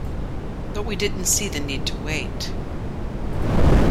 But we didn't see the need to wait.